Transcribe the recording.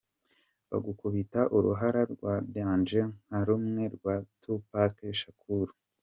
Bagukubita uruhara rwa ’danger’ nka rumwe rwa Tupac Shakur.